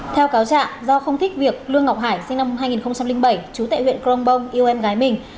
theo cáo trạng do không thích việc lương ngọc hải sinh năm hai nghìn bảy chú tệ huyện crong bong yêu em gái mình